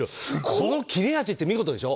この切れ味、見事でしょ？